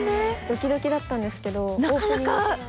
ドキドキだったんですけど。